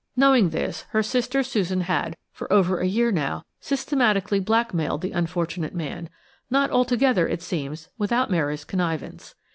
Knowing this, her sister Susan had, for over a year now, systematically blackmailed the unfortunate man–not altogether, it seems, without Mary's connivance.